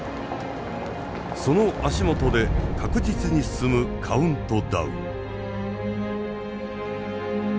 その足元で確実に進むカウントダウン。